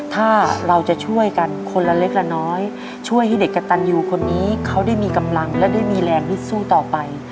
ถ้าเราจะช่วยกันคนละเล็กละน้อยช่วยให้เด็กกระตันยูคนนี้เขาได้มีกำลังและได้มีแรงฮึดสู้ต่อไป